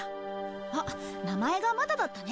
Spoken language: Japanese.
あっ名前がまだだったね。